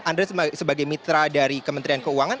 anda sebagai mitra dari kementerian keuangan